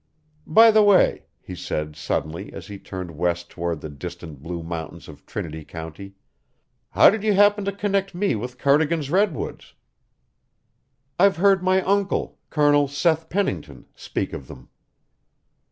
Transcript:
"By the way," he said suddenly as he turned west toward the distant blue mountains of Trinity County, "how did you happen to connect me with Cardigan's redwoods?" "I've heard my uncle, Colonel Seth Pennington, speak of them."